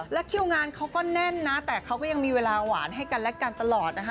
แล้วคิวงานเขาก็แน่นนะแต่เขาก็ยังมีเวลาหวานให้กันและกันตลอดนะคะ